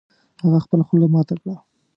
هغه خپله خوله ماته کړه